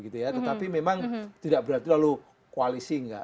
tetapi memang tidak berarti lalu koalisi enggak